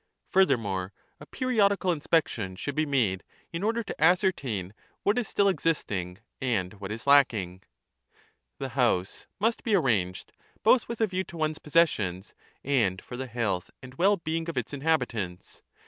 Furthermore, a periodical inspection should be made, in order to ascertain what is still existing and what is lacking. The house must be arranged both with a view to one s 25 possessions 3 and for the health and well being of its in habitants.